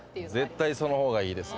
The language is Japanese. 絶対その方がいいですよ。